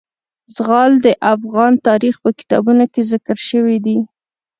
زغال د افغان تاریخ په کتابونو کې ذکر شوی دي.